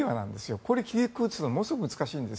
これを切り崩すのものすごく難しいんです。